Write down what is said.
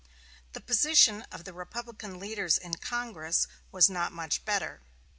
The position of the Republican leaders in Congress was not much better.